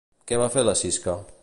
Què va fer la Sisca?